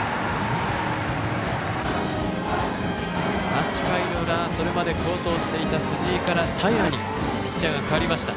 ８回裏、それまで好投していた辻井から平にピッチャーが代わりました。